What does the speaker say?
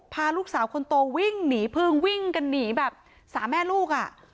พาลูกสาวคนโตวิ่งหนีพึ่งวิ่งกันหนีแบบสามแม่ลูกอ่ะ